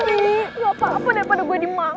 ini gapapa daripada gue dimakan